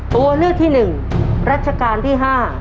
ตัวเลือกที่๑รัชกาลที่๕